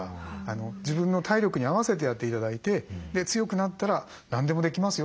自分の体力に合わせてやって頂いて強くなったら何でもできます